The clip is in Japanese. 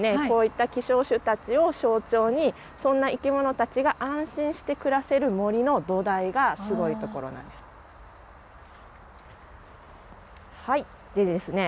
こういった希少種たちを象徴にそんな生き物たちが安心して暮らせる森の土台がすごいところなんです。